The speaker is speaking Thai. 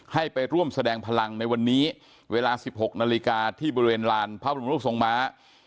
ให้ไปร่วมแสดงพลังในวันนี้เวลา๑๖นาฬิกาที่บริเวณลานพระบรมรูปทรงม้า